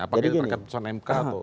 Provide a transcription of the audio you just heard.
apakah ini terkait pesan mk atau